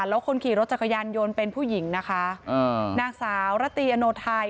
แล้วคนขี่รถจักรยานยนต์เป็นผู้หญิงนะคะอ่านางสาวระตีอโนไทย